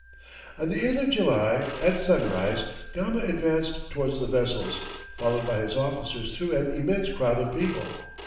On the 8th of July, at sunrise, Gama advanced towards the vessels, followed by his officers through an immense crowd of people.